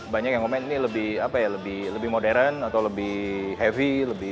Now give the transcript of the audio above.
banyak yang komen ini lebih modern atau lebih heavy